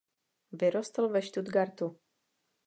Vyrostl ve Stuttgartu.